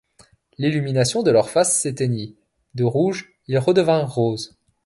L’illumination de leur face s’éteignit ; de rouges, ils redevinrent roses.